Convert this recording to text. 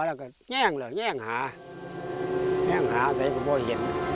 แล้วก็แย้งค่ะแย้งหาเสร็จก็ไม่เห็น